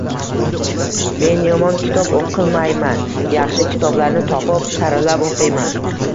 Men yomon kitob oʻqimayman, yaxshi kitoblarni topib, saralab oʻqiyman